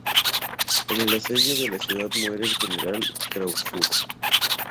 En el asedio de la ciudad muere el General Craufurd.